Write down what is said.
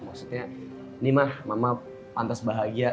maksudnya ini mah mama pantas bahagia